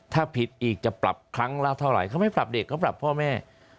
ถ้าผิดอีกจะปรับครั้งละเท่าไหร่เขาไม่ปรับเด็กเขาปรับพ่อแม่